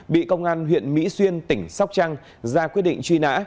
bị công an huyện mỹ xuyên tỉnh sóc trăng ra quyết định truy nã